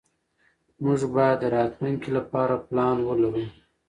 موږ بايد د راتلونکي لپاره پلان ولرو.